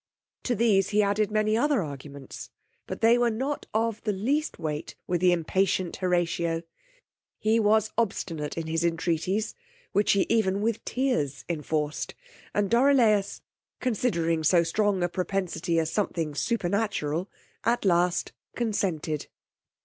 To these he added many other arguments, but they were not of the least weight with the impatient Horatio. He was obstinate in his entreaties, which he even with tears enforced, and Dorilaus, considering so strong a propensity as something supernatural, at last consented.